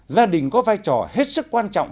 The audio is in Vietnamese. gia đình có vai trò hết sức quan trọng